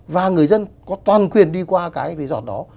và người dân có toàn quyền đi qua cái resort đó